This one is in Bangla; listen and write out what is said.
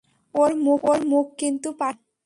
ওর মুখ কিন্তু পাশ করা।